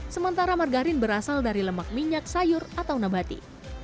sementara margarin berasal dari lemak minyak sayur atau nabati